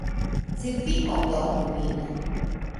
Sed vi pardonu min.